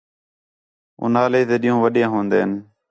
اُنہالے تے ݙِین٘ہوں وݙے ہون٘دِن